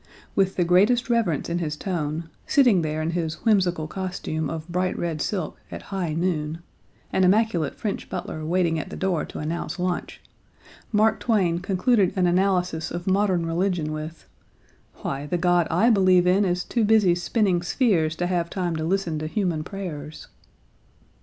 With the greatest reverence in his tone, sitting there in his whimsical costume of bright red silk, at high noon, an immaculate French butler waiting at the door to announce lunch, Mark Twain concluded an analysis of modern religion with " why the God I believe in is too busy spinning spheres to have time to listen to human prayers."